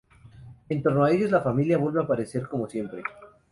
En torno a ellos, la familia vuelve a aparecer como siempre.